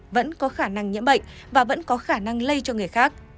vẫn có khả năng nhiễm bệnh và vẫn có khả năng lây cho người khác